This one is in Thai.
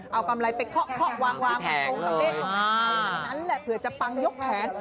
เอากำไรไปเคาะวางตรงตรงเลขตรงนั้นแหละเผื่อจะปังยกแผง